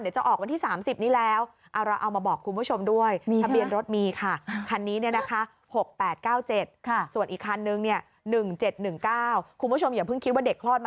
น้องใส่ทันทีเลยไงโอ้ยน่ารักมากค่ะ